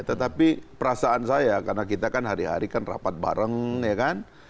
tetapi perasaan saya karena kita kan hari hari kan rapat bareng ya kan